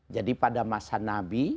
jadi pada masa nabi